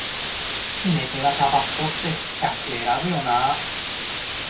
決め手がタバスコって客選ぶよなあ